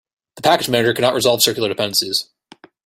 The package manager cannot resolve circular dependencies.